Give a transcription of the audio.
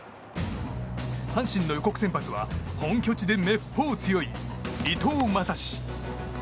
阪神の予告先発は本拠地でめっぽう強い伊藤将司。